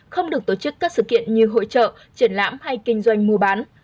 không được tổ chức các sự kiện như hội trợ triển lãm hay kinh doanh mua bán